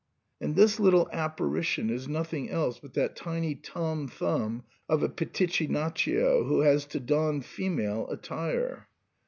And this little ap parition is nobody else but that tiny Tomb Thumb of a Pitichinaccio, who has to don female attire.